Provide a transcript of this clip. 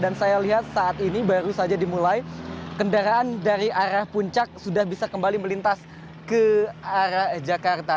dan saya lihat saat ini baru saja dimulai kendaraan dari arah puncak sudah bisa kembali melintas ke arah jakarta